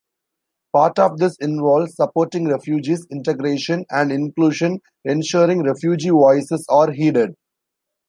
Part of this involves supporting refugees' integration and inclusion, ensuring refugee voices are heeded.